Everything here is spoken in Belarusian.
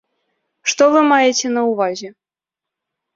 Што вы маеце на ўвазе?